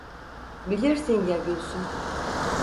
Bilirsin ya Gülsüm!